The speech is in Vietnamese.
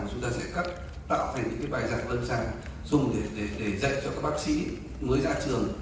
chúng ta sẽ tạo thành những cái bài giảng lâm sản dùng để dạy cho các bác sĩ mới ra trường